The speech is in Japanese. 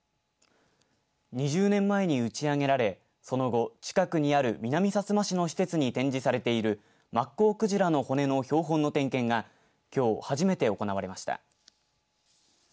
２０年前に打ち上げられその後、近くにある南さつま市の施設に展示されているマッコウクジラの骨の標本の点検がきょう、初めて行われました。